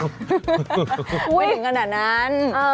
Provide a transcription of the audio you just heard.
ไม่ถึงขนาดนั้น